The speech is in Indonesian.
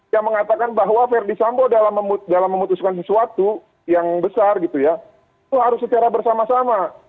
yang mengatakan bahwa verdi sambo dalam memutuskan sesuatu yang besar gitu ya itu harus secara bersama sama